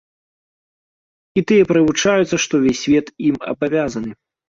І тыя прывучаюцца, што ўвесь свет ім абавязаны.